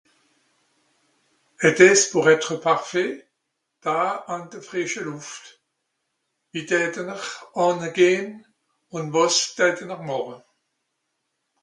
était-ce pour être parfait da àn de frìsche Lùft wie d'hätten'r ànne gehn ùn wàs d'hätten'r màche